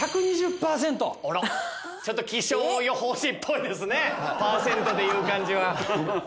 ちょっと気象予報士っぽいですね、パーセントで言う感じは。